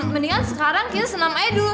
mendingan sekarang kita senam ayo dulu